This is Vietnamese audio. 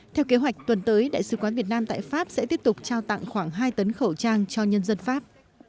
theo kế hoạch tuần tới đại sứ quán việt nam tại pháp sẽ tiếp tục trao tặng khoảng hai tấn khẩu trang cho nhân dân pháp